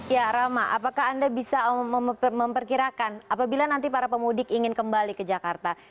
ya rama apakah anda bisa memperkirakan apabila nanti para pemudik ingin kembali ke jakarta